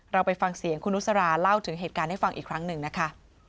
เราไปฟังเสียงคุณนุษราเล่าถึงเหตุการณ์ให้ฟังอีกครั้งหนึ่งนะคะ